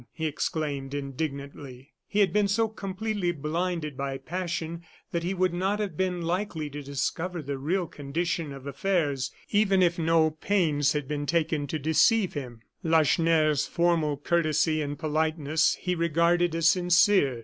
he exclaimed, indignantly. He had been so completely blinded by passion that he would not have been likely to discover the real condition of affairs even if no pains had been taken to deceive him. Lacheneur's formal courtesy and politeness he regarded as sincere.